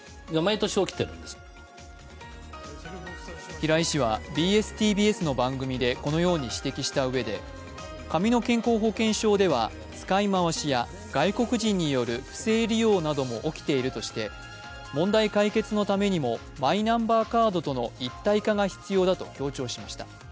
平井氏はＢＳ−ＴＢＳの番組でこのように指摘したうえで紙の健康保険証では、使い回しや外国人による不正利用なども起きているとして問題解決のためにもマイナンバーカードとの一体化が必要だと強調しました。